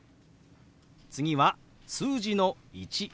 次は数字の「１」。